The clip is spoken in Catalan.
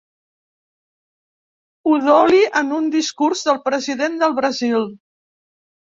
Udoli en un discurs del president del Brasil.